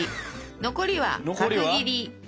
残りは角切り。